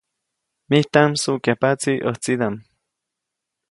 Mijtaʼm msuʼkyajpaʼtsi ʼäjtsidaʼm.